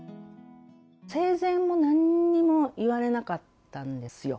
生前にもなんにも言われなかったんですよ。